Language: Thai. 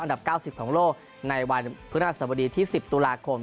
ดับ๙๐ของโลกในวันพฤหัสบดีที่๑๐ตุลาคม